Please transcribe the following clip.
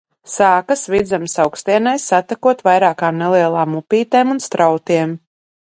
Sākas Vidzemes augstienē, satekot vairākām nelielām upītēm un strautiem.